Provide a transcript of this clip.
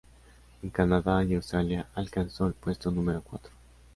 En Canadá y Australia alcanzó el puesto número cuatro.